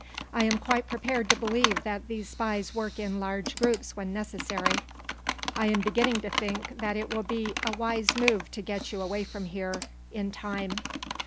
"I am quite prepared to believe that these spies work in large groups, when necessary. I am beginning to think that it will be wise move to get you way from here in time."